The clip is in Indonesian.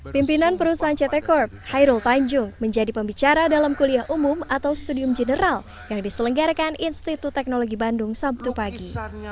pimpinan perusahaan ct corp hairul tanjung menjadi pembicara dalam kuliah umum atau studium general yang diselenggarakan institut teknologi bandung sabtu pagi